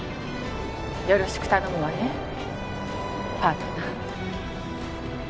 よろしく頼むわねパートナー。